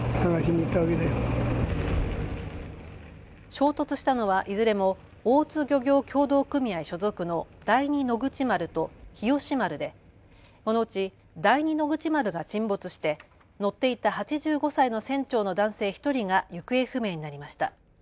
衝突したのはいずれも大津漁業協同組合所属の第二野口丸と日吉丸でこのうち第二野口丸が沈没して乗っていた８５歳の船長の男性１人が行方不明になりました。